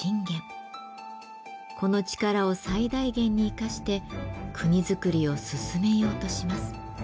この力を最大限にいかして国づくりを進めようとします。